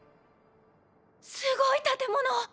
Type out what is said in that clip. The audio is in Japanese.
すごい建物！